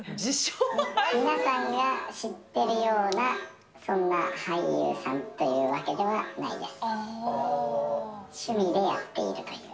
皆さんが知ってるような、そんな俳優さんっていうわけではないです。